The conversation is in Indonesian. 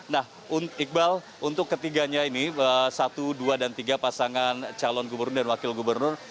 nah iqbal untuk ketiganya ini satu dua dan tiga pasangan calon gubernur dan wakil gubernur